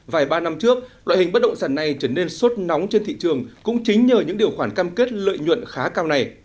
vài ba năm trước loại hình bất động sản này trở nên sốt nóng trên thị trường cũng chính nhờ những điều khoản cam kết lợi nhuận khá cao này